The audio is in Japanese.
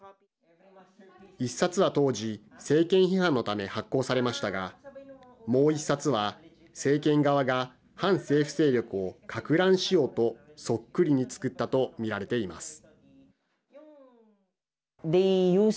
１冊は当時、政権批判のため発行されましたがもう１冊は政権側が反政府勢力をかく乱しようとそっくりに作ったと見られています。